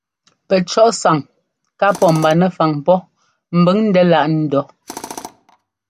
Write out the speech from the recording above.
Pɛcɔ́ꞌsáŋ ká pɔ́ mba nɛfaŋ pɔ́ mbʉŋ ndɛ́ láꞌ ńdɔ́.